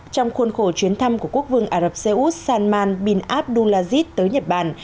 trong khuôn khổ chuyến thăm của quốc vương ả rập xê út sanman bin abdulaziz tới nhật bản